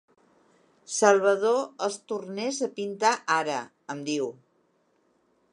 Salvador els tornés a pintar ara –em diu.